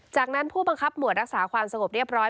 จากนั้นผู้บังคับหมวดรักษาความสงบเรียบร้อย